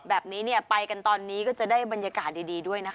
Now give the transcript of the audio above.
แบบนี้เนี่ยไปกันตอนนี้ก็จะได้บรรยากาศดีด้วยนะคะ